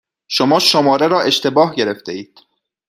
شما شماره را اشتباه گرفتهاید.